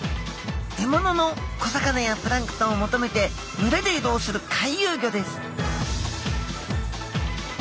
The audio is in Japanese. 獲物の小魚やプランクトンを求めて群れで移動する回遊魚です